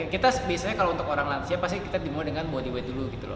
kita biasanya kalau untuk orang lansia pasti kita dimulai dengan body way dulu gitu loh